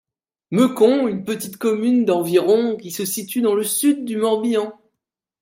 Meucon, une petite commune d'environ qui se situe dans le sud du Morbihan.